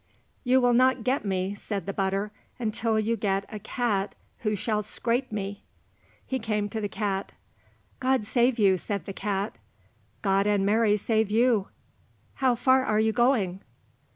"You will not get me," said the butter, "until you get a cat who shall scrape me." He came to the cat. "God save you," said the cat. "God and Mary save you." "How far are you going?"